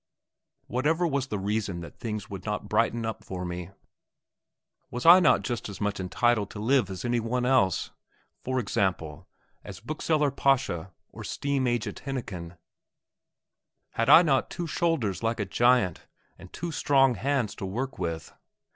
Whatever was the reason that things would not brighten up for me? Was I not just as much entitled to live as any one else? for example, as Bookseller Pascha or Steam Agent Hennechen? Had I not two shoulders like a giant, and two strong hands to work with?